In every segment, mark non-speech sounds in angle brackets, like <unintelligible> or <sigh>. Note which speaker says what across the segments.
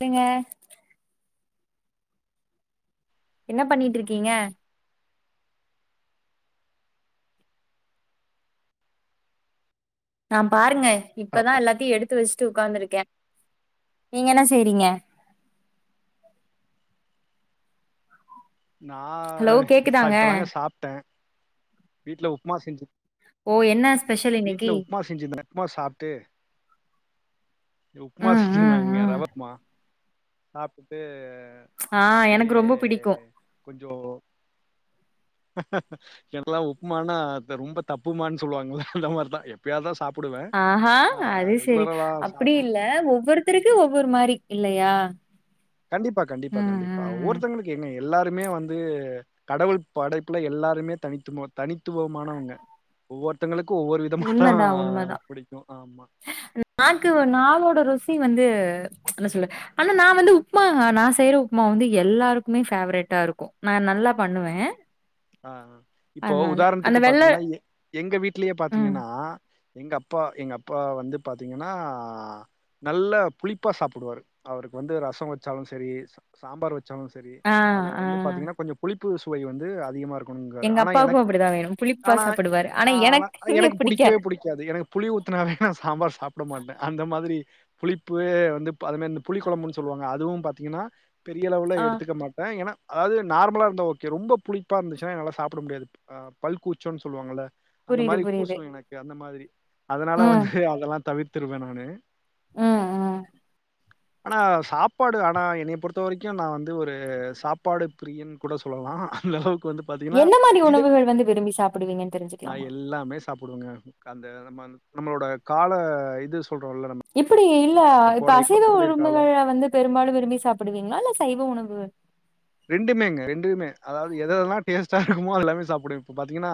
Speaker 1: சேங்க என்ன பண்ணிட்ருக்கீங்க நா பாருங்க இப்பதா எல்லாத்தையு எடுத்து வச்சுட்டு உக்காந்துருக்கே நீங்க என்ன செய்றீங்க
Speaker 2: நா
Speaker 1: ஹலோ
Speaker 2: ச
Speaker 1: கேக்குதாங்க
Speaker 2: இப்போதாங்க சாப்ட்டே வீட்ல உப்புமா செஞ்சு
Speaker 1: ஓ என்ன ஸ்பெஷல் இன்னைக்கி
Speaker 2: செஞ்சு <inaudible> சாப்ட்டு உப்மா
Speaker 1: ம் ம்
Speaker 2: செஞ்சிருந்தாங்க
Speaker 1: ம்
Speaker 2: ரவ உப்மா சாப்ட்டு
Speaker 1: ஆ எனக்கு ரொம்ப பிடிக்கும்
Speaker 2: கொஞ்சோ எனக்குலா உப்மான்னா ரொம்ப தப்புமான் சொல்லுவாங்கள அந்த மாரி தா எப்பயாதா சாப்டுவே
Speaker 1: ஆஹா
Speaker 2: ஆ
Speaker 1: அது சரி
Speaker 2: ரெகுலராலா
Speaker 1: அப்டி
Speaker 2: சாப்ட
Speaker 1: இல்ல ஒவ்வொருத்தருக்கு ஒவ்வொரு மாரி இல்லயா
Speaker 2: கண்டிப்பா கண்டிப்பா கண்டிப்பா
Speaker 1: ம்
Speaker 2: ஒவ்வொருத்தங்களுக்கு எங்க எல்லாருமே வந்து கடவுள் படைப்புல எல்லாருமே தனித்து தனித்துவமானவங்க ஒவ்வொருத்தவங்களுக்கு ஒவ்வொரு விதமா தா
Speaker 1: உண்மதா உண்மதா
Speaker 2: புடிக்கு ஆமா
Speaker 1: நாக்கு நாவோட ருசி வந்து என்ன சொல்லு ஆனா நா வந்து உப்மா நா செய்யற உப்மா வந்து எல்லாருக்குமே ஃபேவரட்டா இருக்கு நா நல்லா பண்ணுவே
Speaker 2: ஆ அ இப்போ
Speaker 1: அதனால அந்த
Speaker 2: உதாரணத்துக்கு
Speaker 1: வெள்ள
Speaker 2: பாத்தீங்கன்னா எ எங்க வீட்லயே
Speaker 1: ம்
Speaker 2: பாத்தீங்கன்னா எங்க அப்பா எங்க அப்பா வந்து பாத்தீங்கன்னா நல்ல புளிப்பா சாப்டுவாரு அவருக்கு வந்து ரசம் வச்சாலு சரி சாம்பார் வச் சாலு சரி
Speaker 1: ஆ
Speaker 2: அதுல வந்து
Speaker 1: ஆ
Speaker 2: பாத்தீங்கன்னா கொஞ்சோ புளிப்பு சுவை வந்து அதிகமா இருக் க்குனுங்கரு
Speaker 1: எங்க
Speaker 2: ஆனா
Speaker 1: அப்பாவுக்கும்
Speaker 2: எனக்கு
Speaker 1: அப்படிதா வேணும் புளிப்பா
Speaker 2: ஆனா
Speaker 1: சாப்பிடுவாரு
Speaker 2: ஆனா எனக்கு
Speaker 1: பிடிக்காது
Speaker 2: புடிக்கவே புடிக் காது எனக்கு புளி ஊத்தினாவே நா சாம்பார் சாப்ட மாட்டே அந்த மாதிரி புளிப்பு வந்து இப்ப அதுமாரி இந்த புளி கொழம்புன் சொல்லுவாங்க அதுவு பாத்திங்கன்னா பெரிய அளவுள
Speaker 1: ஆ
Speaker 2: எடுத்துக்க மாட்டே ஏன்னா அதாவது நார்மலா இருந்தா ஓகே ரொம்ப புளிப்பா இருந்துச்சுனா என்னால சாப்பிட முடியாது அ பல்கூச்சோன் சொல்லுவாங்கல அந்த
Speaker 1: புரியுது
Speaker 2: மாரி
Speaker 1: புரியுது
Speaker 2: கூசு எனக்கு அந்த மாதிரி அதனால
Speaker 1: ம்
Speaker 2: வந்து அதெல்லா தவிர்த்துருவே நானு
Speaker 1: ம் ம்
Speaker 2: ஆனா சாப்பாடு ஆனா என்னைய பொறுத்த வரைக்கு நா வந்து ஒரு சாப்பாடு பிரியன் கூட சொல்லலா அந்த அளவுக்கு வந்து பாத்தீங்கன்னா
Speaker 1: என்ன மாரி
Speaker 2: இதை
Speaker 1: உணவுகள் வந்து விரும்பி சாப்பிடுவீங்கன்னு
Speaker 2: நா
Speaker 1: தெரிஞ்சுக்கலாமா
Speaker 2: எல்லாமே சாப் சாப்டுவேங்க அந்த நம்ம நம்மளோட கால இது சொல்றோல்ல நம்
Speaker 1: எப்டி இல்ல இப்ப அசைவ உணவுகள்ள வந்து பெரும்பாலு விரும்பி சாப்டுவீங்களா இல்ல சைவ உணவு
Speaker 2: ரெண்டுமேங்க ரெண்டுமே அதாவது எததெல்லா டேஸ்டா இருக்குமோ அத எல்லாமே சாப்டுவே இப்ப பாத்தீங்கனா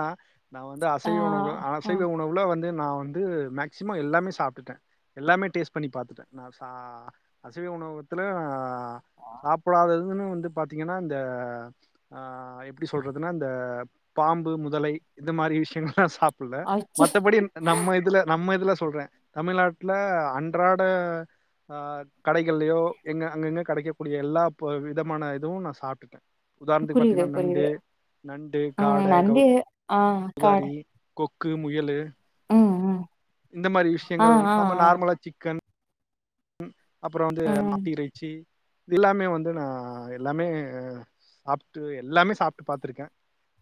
Speaker 2: நா வந்து
Speaker 1: ஆ
Speaker 2: அசைவ உணவு
Speaker 1: ஆ
Speaker 2: அசைவ உணவுல வந்து நா வந்து மேக்சிமம் எல்லாமே சாப்ட்டுட்டே எல்லாமே டேஸ்ட் பண்ணி பாத்துட்டே நா ச அசைவ உணவகத்துல சாப்டாததுன் வந்து பாத்தீங்கனா இந்த ஆ எப்படி சொல்றதுன்னா இந்த பாம்பு முதலை இந்த மாரி விஷயங்கள் எல்லா சாப் புள்ள
Speaker 1: அச்ச
Speaker 2: மத்தபடி நம்ம இதுல நம்ம இதுல சொல்றே தமிழ்நாட்ல அன்றாட ஆ கடைகள்லயோ எங்க அங்கங்க கெடைக்கக்க கூடிய எல்லா பு விதமான துவு நா சாப்டுட்டே உதாரணத்துக்கு
Speaker 1: புரியுது
Speaker 2: பாத்தீங்கனா
Speaker 1: புரியுது
Speaker 2: நண்டு நண்டு
Speaker 1: ம்
Speaker 2: காட கவு
Speaker 1: நண்டு ஆ காடு
Speaker 2: தாரி கொக்கு முயலு
Speaker 1: ம் ம்
Speaker 2: இந்த மாரி
Speaker 1: ஆ
Speaker 2: விஷயங்கள்
Speaker 1: ஆ
Speaker 2: நம்ம
Speaker 1: ஆ
Speaker 2: நார்மலா சிக்கன் அப்றோ வந்து
Speaker 1: ம்
Speaker 2: மாட்டிறைச்சி இது எல்லாமே வந்து நா எல்லாமே சாப்ட்டு எல்லாமே சாப்ட்டு பாத்திருக்கே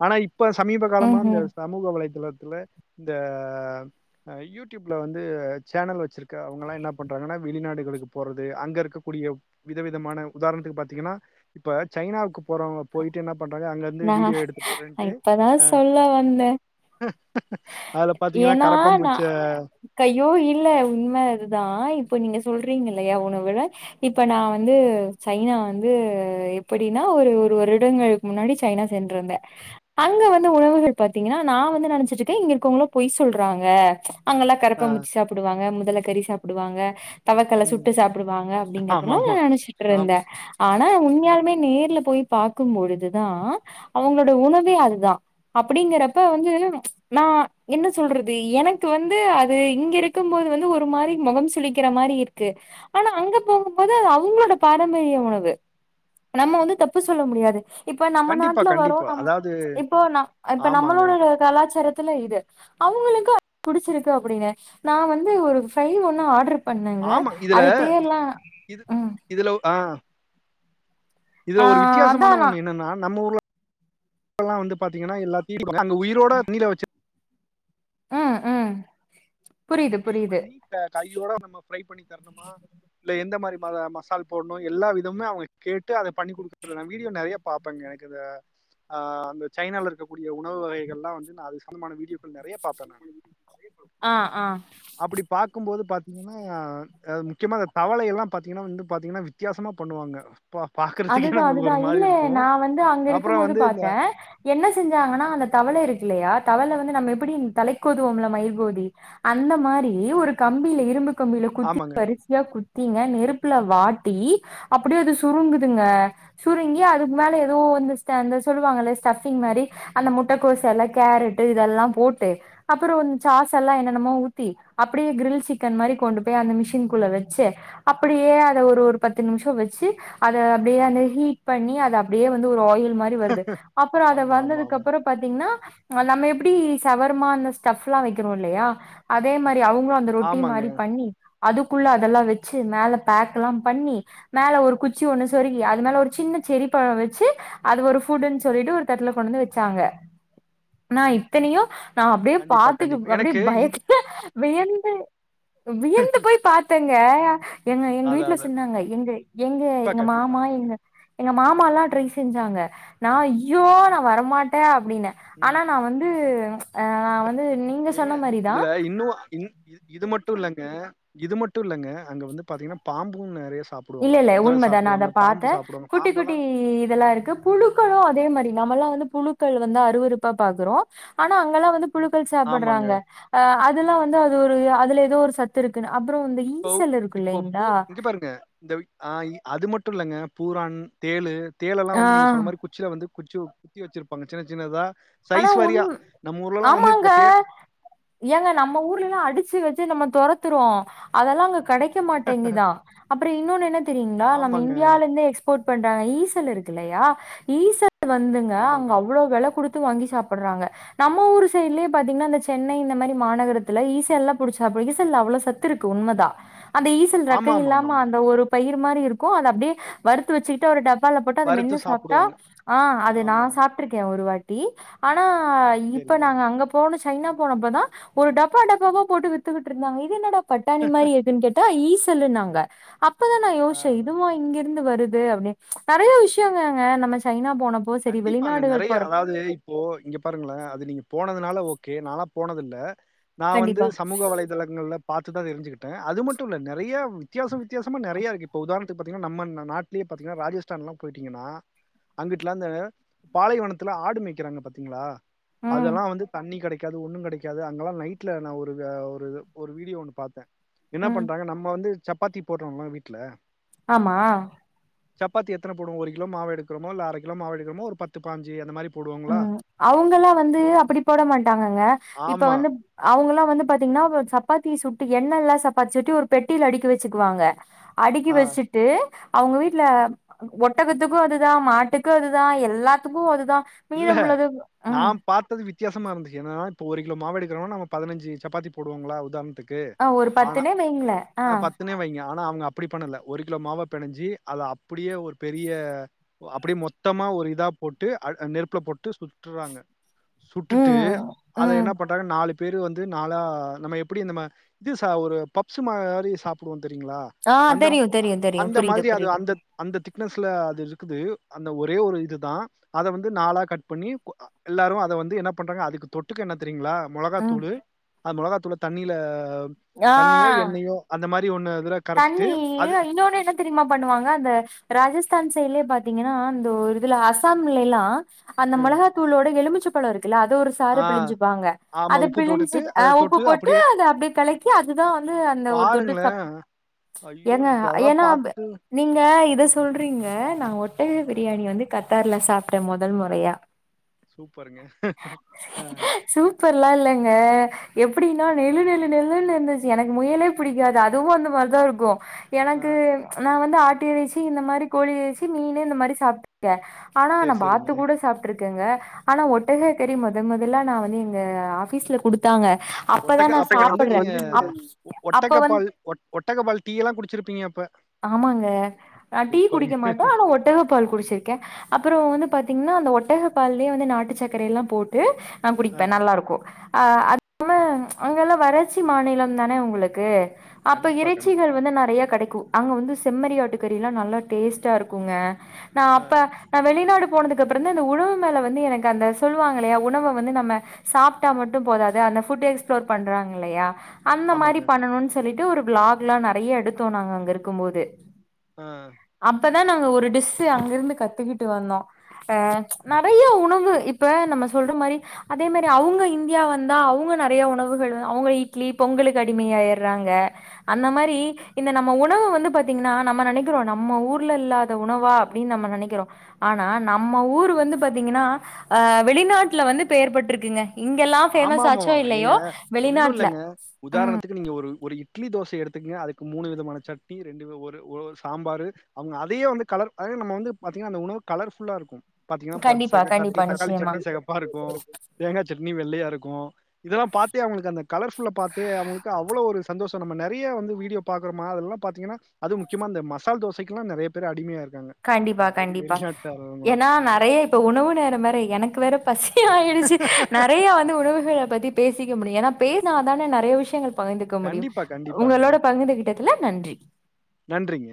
Speaker 2: ஆனா இப்ப சமீப காலமா
Speaker 1: ம்
Speaker 2: இந்த
Speaker 1: ம்
Speaker 2: சமூக வலைதளத்துல இந்த யூடியூப்ல வந்து சேனல் வச்சிருக் க அவங்களா என்ன பண்றாங்கனா வெளிநாடுகளுக்கு போறது அங்க இருக்கக்கூடிய விதவிதமான உதாரணத்துக்கு பாத்தீங்கனா இப்ப சைனாவுக்கு போறவங்க போயிட்டு என்ன பண்றாங்க அங்க இருந்து
Speaker 1: நா
Speaker 2: வீடியோ எடுத்து போறேன்ட்டு
Speaker 1: இப்பதா
Speaker 2: அ
Speaker 1: சொல்ல வந்தே
Speaker 2: அத பாத்தீங்கனா கரப்பா பூச்ச
Speaker 1: கயோ இல்ல உண்ம இதுதா இப்ப நீங்க சொல்றீங்க இல்லயா உணவுல இப்ப நா வந்து சைனா வந்து எப்படின்னா ஒரு ஒரு வருடங்கள் முன்னாடி சைனா சென்றிருந்தே அங்க வந்து உணவுகள் பாத்தீங்கன்னா நா வந்து நெனச்சிட்டு க்கு இங்க இருக்கவங்களா பொய் சொல்றாங்க அங்கெல்லா
Speaker 2: ஆ
Speaker 1: கரப்ப பூச்சி சாப்டுவாங்க முதல கறி சாப்டுவாங்க தவக்கல
Speaker 2: ம்
Speaker 1: சுட்டு சாப்டுவாங்க
Speaker 2: ஆமா
Speaker 1: அப்படிங்கறதலா
Speaker 2: ஆமா
Speaker 1: நெனச்சிட்டு இருந்த
Speaker 2: ஆமா
Speaker 1: ஆனா உண்மையாலுமே நேர்ல போய் பாக்கு பொழுதுதா அவங்களோட உணவே அதுதா அப்படிங்கறப்ப வந்து நா என்ன சொல்றது எனக்கு வந்து அது இங்க இருக்கு போது வந்து ஒரு மாரி முகம் சுலிக்கிற மாரி இருக்கு ஆனா அங்க போகும் போது அவங்களோட பாரம்பரிய உணவு நம்ம வந்து தப்பு சொல்ல முடியாது இப்ப நம்ம
Speaker 2: கண்டிப்பா
Speaker 1: நாட்ல வரோ
Speaker 2: கண்டிப்பா
Speaker 1: நம்
Speaker 2: அதாவது
Speaker 1: இப்போ ந இப்ப
Speaker 2: ஆமாங்க
Speaker 1: நம்மளோட கலாச்சாரத் தல இது அவங்களுக்கு புடிச்சிருக்கு அப்டின்னு நா வந்து ஒரு ஃபிரய் ஒன்னு ஆர்டர் பண்ணங்க
Speaker 2: ஆமா இதுல
Speaker 1: அது பேர்லா
Speaker 2: இது
Speaker 1: ம்
Speaker 2: இதுல அ இதுல
Speaker 1: ஆ
Speaker 2: ஒரு
Speaker 1: அதா
Speaker 2: வித்தியாசமான
Speaker 1: நா
Speaker 2: ஒன்னு என்னனா நம்ம ஊர்லல்லா வந்து பாத்தீங்கனா எல்லா <inaudible> அங்க உயிரோட நீல வச்சு
Speaker 1: அ அ
Speaker 2: அங்க கிளீன் பண்ணி க கையோட நம்ம ஃப்ரை பண்ணி தரணுமா இல்ல எந்த மாரி ம மசால் போடணு எல்லா விதமுமே அவங்க கேட்டு அத பண்ணி குடு நா வீடியோ நெறய பாப்பேங்க எனக்கு இத அ அந்த சைனாவுல இருக்கக்கூடிய உணவு வகைகல்லா வந்து நா அது சொந்தமான வீடியோக்கள் நெறய பாப்ப நானு
Speaker 1: ஆ ஆ
Speaker 2: அப்டி பாக்குபோது பாத்தீங்கனா முக்கியமா தவள எல்லா பாத்தீங்கனா வந்து பாத்தீங்கனா வித்தியாசமா பண்ணுவாங்க பா பாக்கறதுக்கே
Speaker 1: அதுதான்
Speaker 2: நமக்கு ஒரு
Speaker 1: அதுதான்.
Speaker 2: மாரி
Speaker 1: இல்ல
Speaker 2: இருக்கு
Speaker 1: நான் வந்து அங்க
Speaker 2: அப்ற
Speaker 1: இருக்கும்போது
Speaker 2: வந்து இந்த
Speaker 1: பார்த்தேன். என்ன செஞ்சாங்கனா அந்த தவள இருக்குல்லயா தவள வந்து நம்ம எப்டி தலைக்கோதுவோம்ல மைகோதி அந்த மாரி ஒரு கம்பில இரும்பு கம்பில குத்தி
Speaker 2: ஆமாங்க
Speaker 1: வரிசயா குத்திங்க நெருப்புல வாட்டி அப்டியே அது சுருங்குது துங்க சுருங்கி அதுக்கு மேல எதோ வந்து ஸ் ட இந்த சொல்லுவாங்கல ஸ்டஃபிங் மாரி அந்த முட்டக்கோச எல்லா கேரட் இதெல்லா போட்டு அப்ற வந் சாச எல்லா என்னென்னமோ ஊத்தி அப்டியே கிரில் சிக்கன் மாரி கொண்டு போய் அந்த மிஷின்க்குள்ள வச்சு அப்டியே அத ஒரு ஒரு பத்து நிமிஷ வச்சு அத அப்டியே அந்த ஹீட் பண்ணி அத அப்டியே வந்து ஒரு ஆயில் மாரி வருது அப்பறோ அத
Speaker 2: ஆமா ஆமா ஆமா
Speaker 1: வந்ததுக்கப்பற பாத்தீங்கனா நம்ம எப்டி சவர்மா அந்த ஸ்டப்ல்லா வைக்கிறோ இல்லயா அதே மாரி அவங்க இந்த ரொட்டி
Speaker 2: ஆமாங்க
Speaker 1: மாரி பண்ணி அதுக்குள்ள அதெல்லா வச்சு மேல பேக்ல்லா பண்ணி மேல ஒரு குச் ச்சி ஒன்னு சொருகி அது மேல ஒரு சின்ன செரி பழ வச்சு அது ஒரு ஃபுட்டுன் சொல்லிட்டு ஒரு தட்டுல கொண்டு வந்து வச்சாங்க நா இத்தனயு நா அப்டியே
Speaker 2: கண்டிப்பா கண்டிப்பா
Speaker 1: பாத்துக்க அப்டியே
Speaker 2: எனக்கு இது
Speaker 1: பயத்துல வியந்து வியந்து போய் பாத்த ங்க எங்க எங்க
Speaker 2: அத
Speaker 1: வீட்ல
Speaker 2: அத
Speaker 1: சொன்னாங்க எங்க எங்க
Speaker 2: கண்டிப்பா
Speaker 1: எங்க மாமா
Speaker 2: கண்டிப்பாங்க
Speaker 1: எங்க எங்க மாமாலா ட்ரை செஞ்சாங்க நா ஐயோ நா வரமாட்ட அப்டின்ன
Speaker 2: ம்
Speaker 1: ஆனா நா வந்து நா வந்து நீங்க சொன்ன மாரிதா
Speaker 2: இன்னுஆ இன் இ இது மட்டு இல்லங்க இது மட்டு இல்லங்க அங்க வந்து பாத்தீங்கன்னா பாம்பும் நெறைய சாப்பு
Speaker 1: இல்லல்ல உண்மதா நா அத பாத்தே குட்டி குட்டி
Speaker 2: பாம்பெல்லாம்
Speaker 1: இதெல்லா இருக்கு புழுக்களு அதே மாரி நாம்மல்லா வந்து புழுக்கள் வந்தா அருவறுப்பா பாக்குறோ ஆனா அங்கெல்லா வந்து புழுக்கள்
Speaker 2: ஆமாங்க
Speaker 1: சாப்பட்றாங்க அ அதெல்லா வந்து அது ஒரு அதுல எதோ ஒரு சத்து இருக்குன்னு அப்புற வந்து
Speaker 2: போ இப்போ பூ இங்க பாருங்க இந்த அ அது மட்டு இல்லங்க பூரான் தேளு தேளு எல்லா
Speaker 1: ஆ
Speaker 2: வந்து நீங்க சொன்ன மாரி குச்சில வந்து குச்சி குத்தி வச்சிருப்பாங்க சின்ன சின்னதா
Speaker 1: ஆனா
Speaker 2: சைஸ்
Speaker 1: உண்
Speaker 2: வாரியா நம்ம ஊர்ல எல்லாம் வந்து
Speaker 1: ஆமாங்க
Speaker 2: இப்ப தேல்
Speaker 1: ஏங்க நம்ம ஊர்லல்லா அடிச்சு வச்சு நம்ம தொறத்துறோ அதெல்லா அங்க கெடைக் க மாட்டேங்குதா அப்புற இன்னோன்னு என்ன தெரியீங்களா நம்ம
Speaker 2: ஆமாங்க
Speaker 1: இந்தியால இருந்து எக்ஸ்ப் போட் பண்றாங்க ஈசல் இருக்குல்லையா ஈசல் வந்துங்க அங்க
Speaker 2: ஆமாங்க
Speaker 1: அவ்வளோ வெலை குடுத் து வாங்கி சாப்பிடறாங்க நம்ம ஊரு சைட்லயே பாத்தீங்கன்னாந்த சென்னை இந்த மாரி மாநகரத்துல ஈசல் எல்லா புடிச்சாப் ஈசல்ல அவ்ளோ சத் து இருக்கு உண்மைதா அந்த ஈச ல் ரெக்க
Speaker 2: ஆமா ஆமா ஆமா
Speaker 1: இல்லாம
Speaker 2: ஆமா
Speaker 1: அந்த ஒரு பயிர் மாரி இருக்கும் அத அப்டியே வறுத்து வச்சுக்கிட்டு ஒரு டப் பால போட்டு அத மென்னு
Speaker 2: வறுத்து
Speaker 1: சாப்ட்டா
Speaker 2: சாப்பிடுவாங்க
Speaker 1: ஆ அது நா
Speaker 2: ஆமா ஆமா
Speaker 1: சாப்ட்டுருக்கே ஒரு வாட்டி ஆனா இப்ப
Speaker 2: சரிங்க
Speaker 1: நாங்க அங்க போன சைனா போனப்பதா ஒரு டப்பா டப்பாவ போட்டு வித்துக்கிட்டு இருந்தாங்க இது என்னடா பட்டாணி மாரி இருக்குன் கேட்டா ஈசல்லுனாங்க அப் பதா நா யோஸ்சே
Speaker 2: ஆ
Speaker 1: இதுவா இங்கருந்து வருது அப்டின் நறையா விஷயங்கங்க நம்ம சைனா போன
Speaker 2: கண்டிப்பாங்க நறைய அதாவது இப்போ இங்க பாருங்களே அது நீங்க போனதுனால ஓகே நாளா போனது இல்ல நா வந்து
Speaker 1: கண்டிப்பா
Speaker 2: சமூக வலை தளங்கள்ல பார்த்துதா தெரிஞ்சுக்கிட்டே அது மட்டு இல்ல நறையா வித்தியாச வித்தியாசமா நறைய இருக்கு இப்போ உதாரணத்துக்கு பாத்தீங்கனா நம்ம நாட்டு லே பாத்தீங்கனா ராஜஸ்தான்லா போயிட்டீங்கனா <unintelligible> பாலைவனத்தில ஆடு மேய்க்கிறாங்க பாத்தீங்களா
Speaker 1: ம்
Speaker 2: அதெல்லா வந்து தண்ணி கெடை க்காது ஒன்னு கெடைக்காது அங்கெல்லா நைட்ல நா ஒரு ஒரு வீடியோ ஒன்னு பாத்தே என்ன
Speaker 1: ம்
Speaker 2: பண்றாங்க நம்ம வந்து சப்பாத்தி போட்றோம்மா வீட்ல
Speaker 1: ஆமா
Speaker 2: சப்பாத்தி எத்தன போடுவோ ஒரு கிலோ மாவை எடுக்குறோமோ இல்ல அர கிலோ மாவ எடுக்கிறமோ ஒரு பத்து பாஞ்சு அந்த மாரி போடுவோங்களா?
Speaker 1: ம் அவுங்களா வந்து அப்டி போட மாட்டாங்கங்க இப்ப
Speaker 2: ஆமா.
Speaker 1: வந்து அவுங்கலா வந்து பாத்தீங்கனா சப்பாத்தி சுட்டு எண்ணெல்லா சப்பாத்தி சுட்டு ஒரு பெட்டில அடிக்கி வச்சுக்குவாங்க அடுக்கி
Speaker 2: ஆ.
Speaker 1: வச்சுட்டு அவுங்க வீட்ல ஒட்டகத்துக்கு அதுதா மாட்டுக்கு அதுதா எல்லாத்துக்கு அதுதா
Speaker 2: இல்ல
Speaker 1: மீதமுள்ளது
Speaker 2: நா
Speaker 1: ம்
Speaker 2: பாத்தது வித்தியாசமா இருந்துச்சு ஏன்னா இப்ப ஒருகிலோ மாவடுக்கிறனா நம்ம பதினஞ்சு சப்பாத்தி போடுவோங்களா உதாரணத்துக் கு
Speaker 1: ஆ ஒரு
Speaker 2: ஆனா
Speaker 1: பத்துனே வைங்கள ஆ
Speaker 2: அ பத்துனே வைங்க ஆனா அவங்க அப்டி பண்ணல ஒரு கிலோ மாவ பெனஞ்சு அத அப்டியே ஒரு பெரிய அப்டி மொத்தமா ஒரு இதா போட்டு நெருப்புல போட்டு சுட்டுறாங்க சுட்டுட்டு
Speaker 1: ம்
Speaker 2: அத
Speaker 1: ம்
Speaker 2: என்ன பண்றாங்க நாலு பேரு வந்து நாளா நம்ம எப்டி நம்ம இது ச ஒரு பப்ஸு மாரி சாப்பிடுவோ தெரியீங்களா
Speaker 1: ஆ
Speaker 2: அந்த
Speaker 1: தெரியு தெரியு தெரியு
Speaker 2: அந்த
Speaker 1: புரியுது
Speaker 2: மாரி அது
Speaker 1: புரியுது
Speaker 2: அந்த அந்த திக்னஸ்ல அது இருக்குது அந்த ஒரே ஒரு இதுதா அத வந்து நாலா கட் பண்ணி எல்லாரு அத வந்து என்ன பண்றாங்க அதுக்கு தொட் டுக்க என்ன தெரியுங்ளா
Speaker 1: ம்
Speaker 2: மொளகாத்தூளு அந்த மொளகாத்தூள தண்ணியில
Speaker 1: ஆ
Speaker 2: தண்ணியோ எண்ணெயோ அந்த மாதிரி ஒன்னு இதுல கரைச்சிட்டு
Speaker 1: தண்ணி
Speaker 2: அது
Speaker 1: இன்னோன்னு என்ன தெரிமா பண்ணுவாங்க அந்த ராஜஸ்தான் சைடுலே பாத்தீங்கன்னா அந்த இதுல அசாம்லேல்லா அந்த
Speaker 2: ம்
Speaker 1: மிளகாத்தூளோட எலுமிச்ச பழோ இருக்குல்ல அது ஒரு சாரு
Speaker 2: ஆ
Speaker 1: பிழிஞ்சுப்பாங்க
Speaker 2: ஆமா
Speaker 1: அத
Speaker 2: உப்பு
Speaker 1: பிழிஞ்சி
Speaker 2: போட்டுட்டு
Speaker 1: அ
Speaker 2: அத
Speaker 1: உப்பு
Speaker 2: தொட்டு
Speaker 1: போட்டு
Speaker 2: அப்டியே
Speaker 1: அத அப்டியே கழக்கி அதுதா வந்து அந்த ஒரு தொட்டு
Speaker 2: பாருங்களே
Speaker 1: சாப்
Speaker 2: ஐயோ
Speaker 1: ஏங்க
Speaker 2: எனக்கு அதெல்லா
Speaker 1: ஏனா
Speaker 2: பாத்துட்டு
Speaker 1: நீங்க இத சொல்றீங்க நா ஒட்டக பிரியாணி வந்து கத்தார்ல சாப்டே முதல் முறயா
Speaker 2: சூப்பருங்க ஆ
Speaker 1: ஃபெர்லாம் இல்லங்க எப்டினா நெழு நெழு நெழுனு இருந்துச்சு எனக்கு முயலே பிடிக்காது அ அதுவு அந்த மாரிதா இருக்கு
Speaker 2: ஆ
Speaker 1: எனக்கு நா வந்து ஆட்டு இறைச்சி இந்த மாரி கோழி இறைச்சி மீனு இந்த மாரி சாப்டுக்கேன் ஆனா நா
Speaker 2: சேரி
Speaker 1: பாத்து
Speaker 2: சேரிங்க
Speaker 1: கூட சாப் இருக்குங்க ஆனா ஒட்டக கறி முதல் முதல்ல நா வந்து எங்க ஆபீஸ்ல குடுத்தாங்க அப்பதா
Speaker 2: ஒட்டக்க
Speaker 1: நா
Speaker 2: அப்ப வந்து
Speaker 1: சாப்டுறே
Speaker 2: நீங்க
Speaker 1: அப் அப்ப வந்
Speaker 2: ஒட்டக பால் டீ யெல்லா குடிச்சிருப்பீங்க அப்ப
Speaker 1: ஆமாங்க அ டீ
Speaker 2: சூப்பருங்க
Speaker 1: குடிக்க மாட்டோ ஆனா ஒட்டகப் பால் குடிச்சிருக்கே அப்றோ வந்து பாத்தீங்கன்னா அந்த ஒட்டக பால்லே வந்து நாட்டு சக்கரயெல்லா போட்டு நா
Speaker 2: ஆ
Speaker 1: குடிப்பே நல்லாருக்கு அ அது <inaudible> ல அங்கெல்லா வறட்சி மாநிலம் தானே உங்களுக்கு அப்ப
Speaker 2: கண்டிப்பா
Speaker 1: இறைச்சிகள்
Speaker 2: கண்டிப்பா
Speaker 1: வந்து நெறய கிடைக்கு அங்க வந்து செம்மறி ஆட்டு கறிலா நல்லா டேஸ்ட்டா இருக்குங்க நா
Speaker 2: ஆ
Speaker 1: அப்ப நா வெளிநாடு போனதுக்கப்றோந்தா இந்த உணவு மேல வந்து எனக்கு அந்த சொல்லுவால்லயா உணவ வந்து நம்ம சாப்ட்டா மட்டு போதாது அந்த ஃபுட் எக்ஸ்ப்ளோர் பண்றாங்க இல்லயா அந்த
Speaker 2: ஆமாங்க
Speaker 1: மாரி பண்ணணுனு சொல்லிட்டு ஒரு வ்ளாக்லா நெறய எடுத்தோ நாங்க அங்க இருக்குபோது
Speaker 2: ஆ
Speaker 1: அப்பதா நாங்க ஒரு டிஸ்சு அங்கிருந்து கத்துக்கிட்டு வந்தோ ஆ நெறய உணவு இப்ப நம்ம சொல்ற மாரி அதே மாரி அவுங்க இந்தியா வந்தா அவுங்க நெறய உணவுகள் அவுங்க இட்லி பொங்கலுக்கு அடிமையாயிற்றாங்க அந்த மாரி இந்த நம்ம உணவு வந் து பாத்தீங்கன்னா நம்ம நெனைக்கிறோ நம்ம ஊர்ல இல்லாத உணவா அப்டினு நம்ம நெனைக்கிறோ ஆனா நம்ம ஊரு வந்து பாத்தீங்கன்னா அ வெளிநாட்டுல வந்து பெயர் பெற்றுக்குங்க இங்கெல்லா
Speaker 2: ஆமா
Speaker 1: பேமஸ் ஆச்சோ
Speaker 2: ஆமாமா ஏங்க
Speaker 1: இல்லயோ
Speaker 2: ஒண்ணு
Speaker 1: வெளிநாட்டுல
Speaker 2: இல்லங்க
Speaker 1: ம்
Speaker 2: உதாரணத்துக்கு நீங்க ஒரு ஒரு இட்லி தோசய எடுத்துக்கங்க அதுக்கு மூணு விதமான சட்னி ரெண்டு ஒரு ஒர் சாம்பாரு அவங்க அதயே வந்து கலர் அத நம்ம வந்து பாத்தீங்கன்னா அந்த உணவு கலர்ஃபுல்லாருக்கு பாத்தீங்கன்னா பத்
Speaker 1: கண்டிப்பா
Speaker 2: செக சட்னி
Speaker 1: கண்டிப்பா
Speaker 2: தக்காளி
Speaker 1: நிச்சயமா
Speaker 2: சட்னி சிகப்பாருக்கு தேங்காய் சட்னி வெள்ளையாருக்கு இதெல்லா பாத்தே அவங்களுக்கு அந்த கலர்ஃபுல்ல பாத்தே அவங்களுக்கு அவ்ளோ ஒரு சந்தோஷோ நம்ம நெறய வந்து வீடியோ பாக்றோமா அதுலல்லா பாத்தீங்கன்னா அது முக்கியமா அந்த மசால் தோசக்கெல்லாம் நெறய பேர் அடிமையாயிருக்காங்க
Speaker 1: கண்டிப்பா கண்டிப்பா ஏனா
Speaker 2: ஆமா
Speaker 1: நெறய இப்ப உணவு நேரம் வேற எனக்கு வேற பசியாயிடுச்சு நெறய வந்து உணவுகள பத்தி பேசிக்க முடியு ஏன்னா பேசினா தானே நெறய விஷயங்கள் பகிர்ந்துக்க முடியு
Speaker 2: கண்டிப்பா கண்டிப்பாங்க
Speaker 1: உங்களோட பகிர்ந்துகிட்ட துல நன்றி
Speaker 2: நன்றிங்க